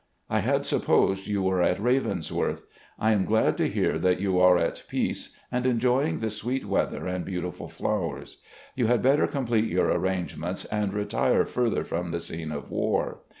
I had supposed you were at Ravensworth. ... I am glad to hear that you are at peace, and enjoying the sweet weather and beautiful flowers. You had better com plete your arrangements and retire further from the scene of war.